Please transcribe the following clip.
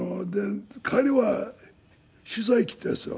彼は取材来たんですよ